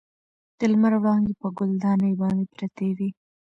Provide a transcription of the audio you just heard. د لمر وړانګې په ګل دانۍ باندې پرتې وې.